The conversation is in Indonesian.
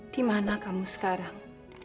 di mana kamu sekarang